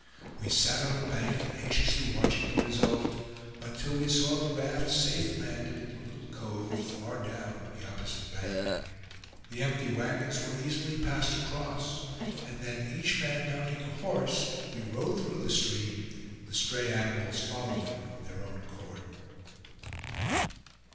We sat on the bank, anxiously watching the result, until we saw the raft safe landed in a little cove far down on the opposite bank. The empty wagons were easily passed across; and then each man mounting a horse, we rode through the stream, the stray animals following of their own accord.